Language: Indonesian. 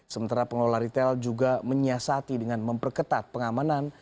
sementara pengelola retail juga menyiasati dengan memperketat pengamanan